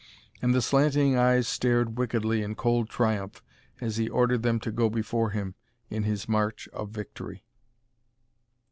And the slanting eyes stared wickedly in cold triumph as he ordered them to go before him in his march of victory.